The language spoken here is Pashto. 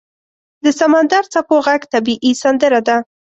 • د سمندر څپو ږغ طبیعي سندره ده.